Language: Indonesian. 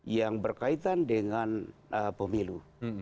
yang berkaitan dengan pemilu